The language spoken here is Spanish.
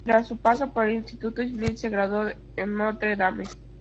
Tras su paso por el instituto, Smith se graduó en Notre Dame.